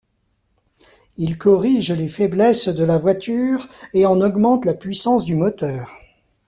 Il corrige les faiblesses de la voiture et en augmente la puissance du moteur.